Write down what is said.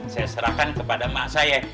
saya serahkan kepada mak saya